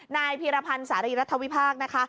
นายพิรพันธ์สาธาริยรัฐวิพาคนะคะ